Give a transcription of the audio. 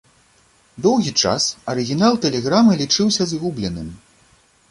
Доўгі час арыгінал тэлеграмы лічыўся згубленым.